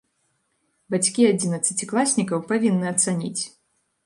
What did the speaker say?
Бацькі адзінаццацікласнікаў павінны ацаніць.